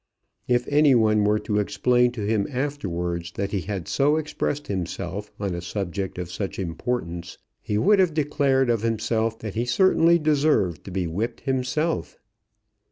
If any one were to explain to him afterwards that he had so expressed himself on a subject of such importance, he would have declared of himself that he certainly deserved to be whipped himself.